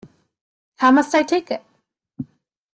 How must I take it?